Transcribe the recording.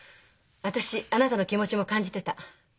私あなたの気持ちも感じてた。